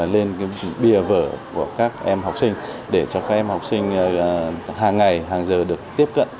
lên bia vở của các em học sinh để cho các em học sinh hàng ngày hàng giờ được tiếp cận